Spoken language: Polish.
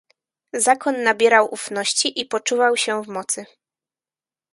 "Zakon nabierał ufności i poczuwał się w mocy."